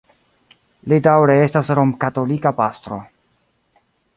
Li daŭre estas romkatolika pastro.